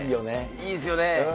いいですよね。